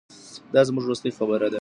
دا زموږ وروستۍ خبره ده.